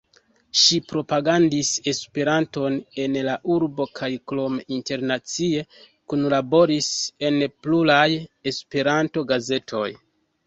Ŝi propagandis Esperanton en la urbo kaj krome internacie kunlaboris en pluraj Esperanto-gazetoj.